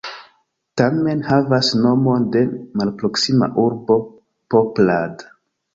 Tamen havas nomon de malproksima urbo Poprad.